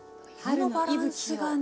色のバランスがね